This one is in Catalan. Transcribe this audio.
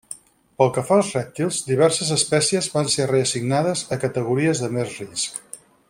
Pel que fa als rèptils, diverses espècies van ser reassignades a categories de més risc.